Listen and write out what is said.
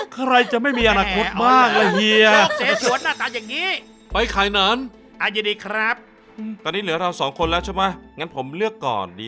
ผมชนะทำแล้วกันสาหร่ายหญิงไม่เหมือนกันนะ